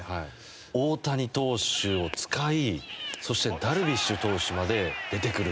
大谷投手を使いそしてダルビッシュ投手まで出てくるという。